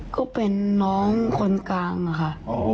ก็เป็นน้องคนกลางค่ะ